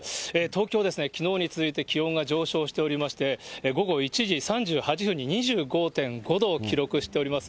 東京ですね、きのうに続いて気温が上昇しておりまして、午後１時３８分に２５．５度を記録しております。